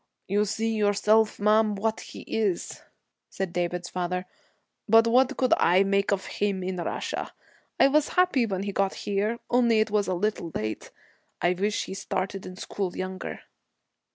'You see yourself, ma'am, what he is,' said David's father, 'but what could I make of him in Russia? I was happy when he got here, only it was a little late. I wished he started in school younger.'